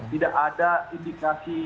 tidak ada indikasi